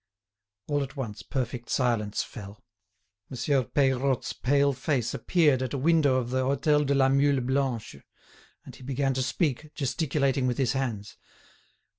All at once perfect silence fell. Monsieur Peirotte's pale face appeared at a window of the Hôtel de la Mule Blanche. And he began to speak, gesticulating with his hands.